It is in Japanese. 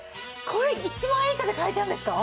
これ１万円以下で買えちゃうんですか？